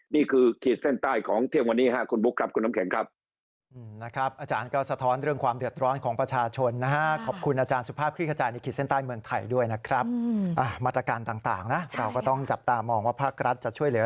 ขีดเส้นใต้ของเที่ยงวันนี้ครับคุณบุ๊คครับคุณน้ำแข็งครับ